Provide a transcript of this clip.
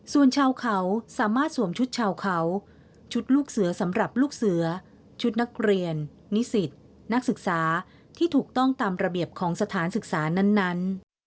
ส่วนชาวเขาสามารถสวมชุดชาวเขาชุดลูกเสือสำหรับลูกเสือชุดนักเรียนนิสิตนักศึกษาที่ถูกต้องตามระเบียบของสถานศึกษานั้น